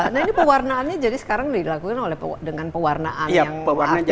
nah ini pewarnaannya jadi sekarang dilakukan dengan pewarnaan yang artifisial ya